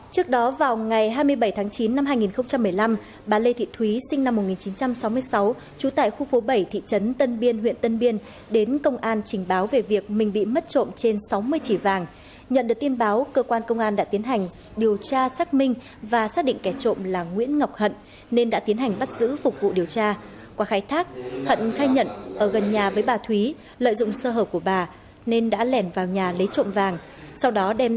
cơ quan công an huyện tân biên tỉnh tây ninh cho biết đã bắt khẩn cấp nguyễn ngọc hận sinh năm một nghìn chín trăm sáu mươi sáu trú tại khu phố bảy thị trấn tân biên huyện tân biên về hành vi trộm cắp tài sản